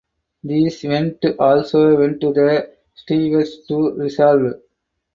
These went also went to the stewards to resolve.